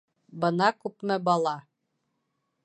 — Бына күпме бала!